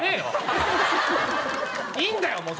いいんだよ